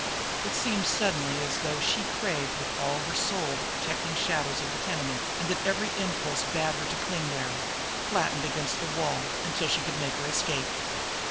It seemed suddenly as though she craved with all her soul the protecting shadows of the tenement, and that every impulse bade her cling there, flattened against the wall, until she could make her escape.